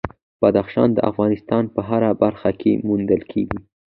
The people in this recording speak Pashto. بدخشان د افغانستان په هره برخه کې موندل کېږي.